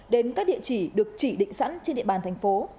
đến các địa chỉ được chỉ định sẵn trên địa bàn thành phố